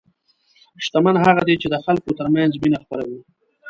شتمن هغه دی چې د خلکو ترمنځ مینه خپروي.